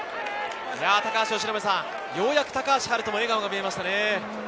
由伸さん、ようやく高橋遥人の笑顔が見えましたね。